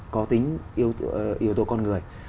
có tính yếu tố con người